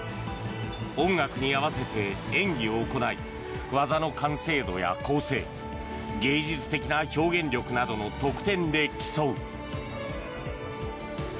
音楽に合わせて演技を行い技の完成度や構成芸術的な表現力などの得点で競う。